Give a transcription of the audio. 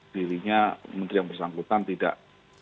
dirinya menteri yang bersangkutan tidak